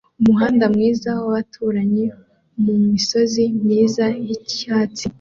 Umuhanda mwiza wabaturanyi mumisozi myiza yicyatsi